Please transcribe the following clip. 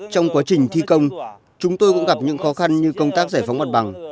trong quá trình thi công chúng tôi cũng gặp những khó khăn như công tác giải phóng mặt bằng